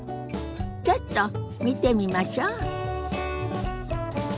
ちょっと見てみましょ。